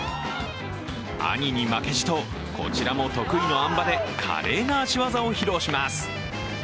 兄に負けじとこちらも得意のあん馬で華麗な足技を披露します。